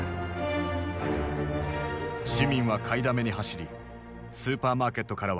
市民は買いだめに走りスーパーマーケットからは食料や医薬品が消えた。